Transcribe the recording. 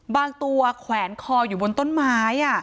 บางตัวแขวนคออยู่บนต้นไม้